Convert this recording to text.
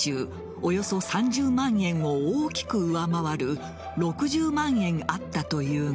およそ３０万円を大きく上回る６０万円あったというが。